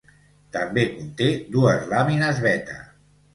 També conté dues làmines beta.